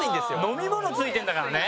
飲み物付いてるんだからね。